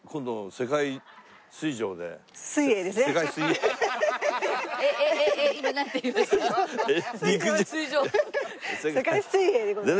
世界水泳でございます。